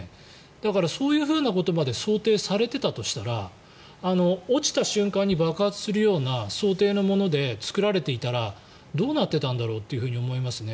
だから、そういうことまで想定されてたとしたら落ちた瞬間に爆発するような想定のもので作られていたらどうなっていたんだろうと思いますね。